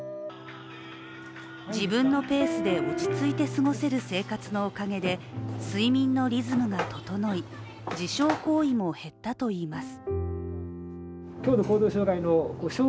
自分のペースで落ち着いて過ごせる生活のおかげで睡眠のリズムが整い、自傷行為も減ったといいます。